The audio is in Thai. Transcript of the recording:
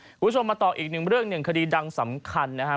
คุณผู้ชมมาต่ออีกเรื่องหนึ่งคดีดังสำคัญนะฮะ